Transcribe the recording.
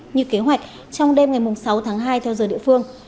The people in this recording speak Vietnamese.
như kế hoạch trong đêm ngày sáu tháng hai theo giờ địa phương